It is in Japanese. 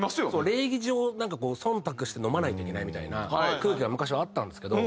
礼儀上なんかこう忖度して飲まないといけないみたいな空気が昔はあったんですけど